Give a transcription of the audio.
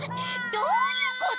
どういうこと？